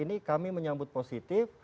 ini kami menyambut positif